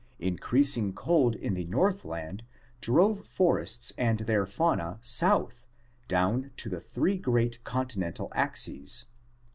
Increasing cold in the northland drove forests and their fauna south down the three great continental axes (see map, Fig.